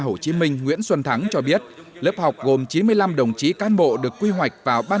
hồ chí minh nguyễn xuân thắng cho biết lớp học gồm chín mươi năm đồng chí cán bộ được quy hoạch vào ban